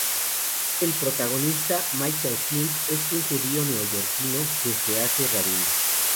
El protagonista, Michael Kind es un judío neoyorquino que se hace rabino.